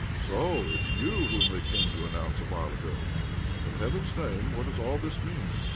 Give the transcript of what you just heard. So it's you whom they came to announce a while ago? In heaven's name, what does all this mean?"